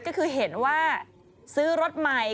ก็คือเห็นว่าซื้อรถใหม่